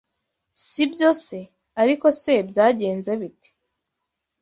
Si byo se? Ariko se byagenze bite?